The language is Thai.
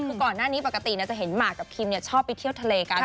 คือก่อนหน้านี้ปกติจะเห็นหมากกับคิมชอบไปเที่ยวทะเลกัน